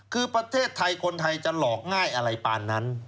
คือประเทศไทยคนไทยจะหลอกง่ายอะไรปานนั้น